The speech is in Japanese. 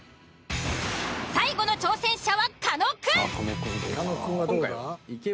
最後の挑戦者は狩野くん。